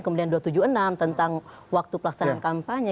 kemudian dua ratus tujuh puluh enam tentang waktu pelaksanaan kampanye